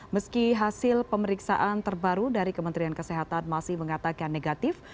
meski hasil pemeriksaan terbaru dari kementerian kesehatan masih mengatakan negatif